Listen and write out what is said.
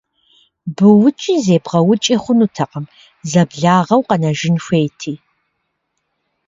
Быукӏи зыкъебгъэукӏи хъунутэкъым, зэблагъэу къэнэжын хуейти.